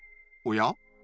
おや？